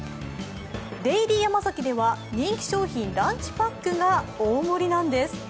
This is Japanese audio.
デイリーヤマザキでは、人気商品ランチパックが大盛なんです。